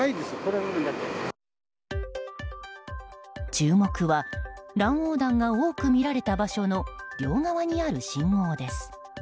注目は乱横断が多く見られた場所の両側にある信号です。